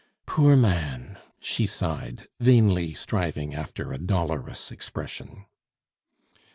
"Poor man!" she sighed, vainly striving after a dolorous expression.